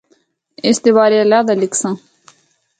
اس دے بارے علیحدہ لکھساں۔